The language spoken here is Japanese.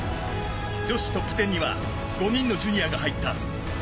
女子トップ１０には５人のジュニアが入った。